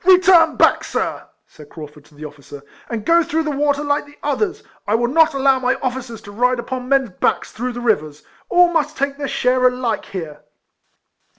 " Return back, sir," said Craufurd to the officer, "and go through the water like the others. I will not allow my officers to ride upon the men's backs through the rivers : all must take their share alike here."